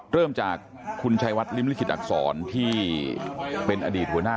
เริ่มจากคุณชัยวัดริมอิทธิดักษรที่เป็นอดีตบุรณาอุตจัยแห่งชาติแก่งกระจาร